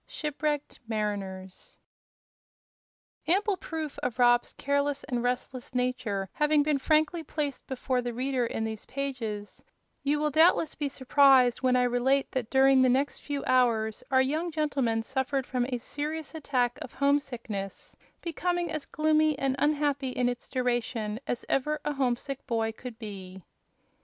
Shipwrecked Mariners Ample proof of Rob's careless and restless nature having been frankly placed before the reader in these pages, you will doubtless be surprised when I relate that during the next few hours our young gentleman suffered from a severe attack of homesickness, becoming as gloomy and unhappy in its duration as ever a homesick boy could be.